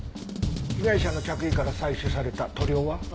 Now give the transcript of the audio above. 被害者の着衣から採取された塗料は？